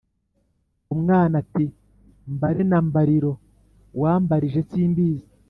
Umwana ati «mbare na mbariro wambarije, simbizi !